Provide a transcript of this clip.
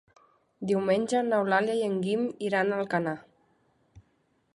Diumenge n'Eulàlia i en Guim iran a Alcanar.